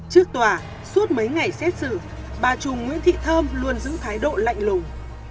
trước tòa suốt mấy ngày xét xử bà trùm nguyễn thị thơm luôn giữ thái độ lạnh lùng